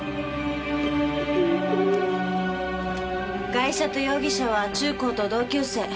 ガイシャと容疑者は中高と同級生。